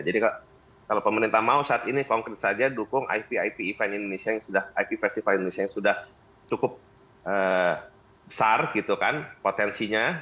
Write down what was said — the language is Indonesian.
kalau pemerintah mau saat ini konkret saja dukung ipip event indonesia yang sudah ip festival indonesia yang sudah cukup besar gitu kan potensinya